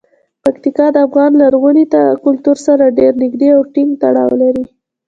پکتیکا د افغان لرغوني کلتور سره ډیر نږدې او ټینګ تړاو لري.